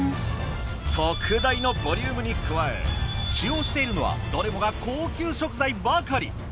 特大のボリュームに加え使用しているのはどれもが高級食材ばかり。